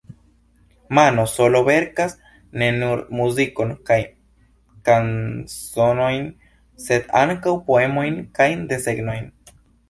Mano Solo verkas ne nur muzikon kaj kanzonojn sed ankaŭ poemojn kaj desegnojn.